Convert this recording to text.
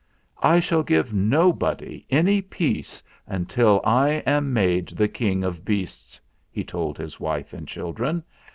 "I shall give nobody any peace until I am made the King of Beasts," he told his wife and children.